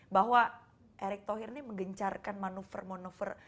bahwa erick thohir ini menggencarkan manuver manuver